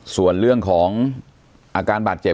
ส่วนเรื่องของอาการบาดเจ็บ